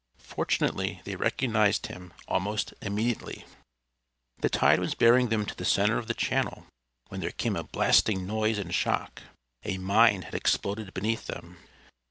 Fortunately they recognized him almost immediately. The tide was bearing them to the center of the channel when there came a blasting noise and shock. A mine had exploded beneath them.